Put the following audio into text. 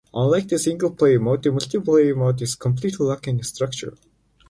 Unlike the single-player mode, the multiplayer mode is completely lacking in structure.